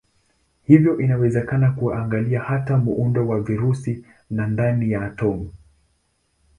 Hivyo inawezekana kuangalia hata muundo wa virusi na ndani ya atomi.